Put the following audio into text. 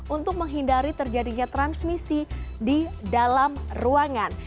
untuk menghindari terjadinya transmisi di dalam ruangan